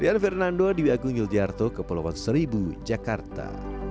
rian fernando di wi agung yuljarto kepulauan seribu jakarta